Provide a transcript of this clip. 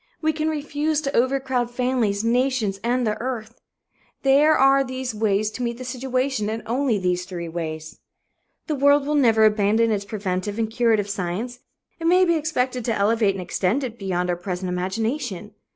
We can refuse to overcrowd families, nations and the earth. There are these ways to meet the situation, and only these three ways. The world will never abandon its preventive and curative science; it may be expected to elevate and extend it beyond our present imagination.